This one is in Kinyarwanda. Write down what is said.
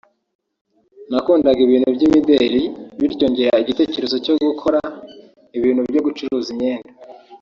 nakundaga ibintu by’imideli bityo ngira igitekerezo cyo gukora ibintu byo gucuruza imyenda